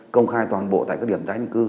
công khai toàn bộ tại các điểm tái định cư